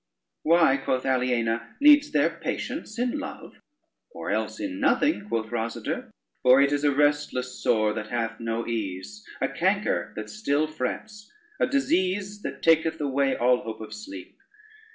"Why," quoth Aliena, "needs there patience in love?" "Or else in nothing," quoth Rosader; "for it is a restless sore that hath no ease, a canker that still frets, a disease that taketh away all hope of sleep.